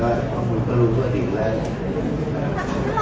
แล้วว่ามันเป็นเรื่องของกลางฮิตเดช